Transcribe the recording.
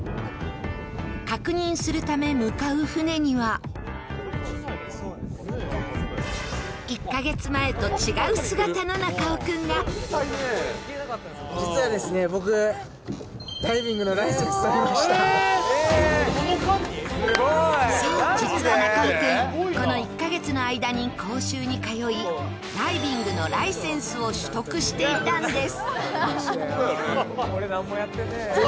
確認するため、向かう船にはそう実は中尾君、この１か月の間に講習に通い、ダイビングのライセンスを取得していたんです。